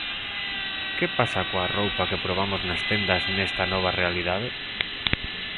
Que pasa coa roupa que probamos nas tendas nesta nova realidade?